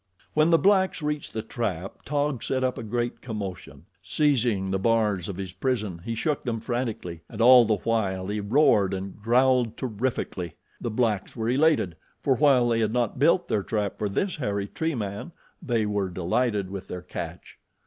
When the blacks reached the trap, Taug set up a great commotion. Seizing the bars of his prison, he shook them frantically, and all the while he roared and growled terrifically. The blacks were elated, for while they had not built their trap for this hairy tree man, they were delighted with their catch.